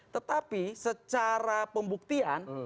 tetapi secara pembuktian